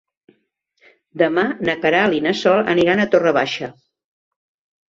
Demà na Queralt i na Sol aniran a Torre Baixa.